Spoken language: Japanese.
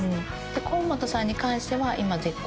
河本さんに関しては今。